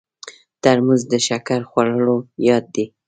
ترموز د شکر خوړلو یاد دی.